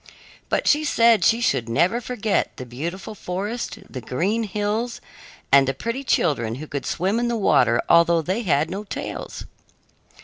But she said she should never forget the beautiful forest, the green hills, and the pretty children who could swim in the water although they had no tails.